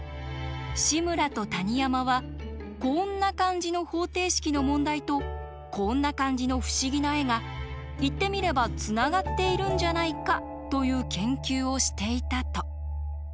志村と谷山はこんな感じの方程式の問題とこんな感じの不思議な絵が言ってみればつながっているんじゃないかという研究をしていたと。